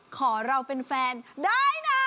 ขอเราเป็นแฟนได้นะ